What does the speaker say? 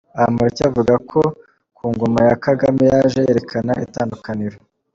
Bamporiki avuga ko ku ngoma ya Kagame yaje yerekana itandukaniro.